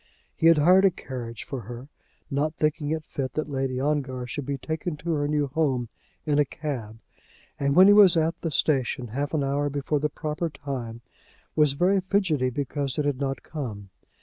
He had hired a carriage for her, not thinking it fit that Lady Ongar should be taken to her new home in a cab; and when he was at the station, half an hour before the proper time, was very fidgety because it had not come.